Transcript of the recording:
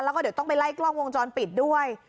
แล้วก็เดี๋ยวต้องไปไล่กล้องวงจรปิดด้วย